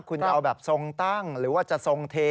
คุณจะเอาแบบทรงตั้งหรือว่าจะทรงเท